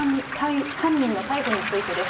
犯人の逮捕についてです。